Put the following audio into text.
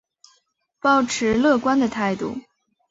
抱持乐观的态度